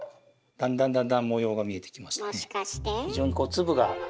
だんだんだんだん模様が見えてきましたね。